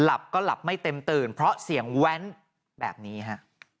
หลับก็หลับไม่เต็มตื่นเพราะเสียงแว้นแบบนี้ฮะ